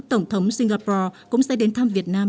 tổng thống singapore cũng sẽ đến thăm việt nam